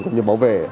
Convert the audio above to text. cũng như bảo vệ